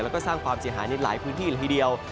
แล้วก็สร้างความเสียหายในหลายพื้นที่ละทีเดียว